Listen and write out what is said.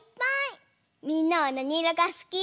みんなはなにいろがすき？